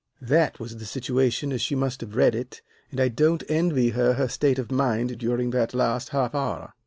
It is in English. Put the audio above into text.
That was the situation as she must have read it, and I don't envy her her state of mind during that last half hour.